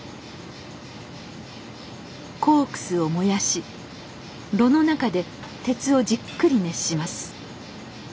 コークスを燃やし炉の中で鉄をじっくり熱します。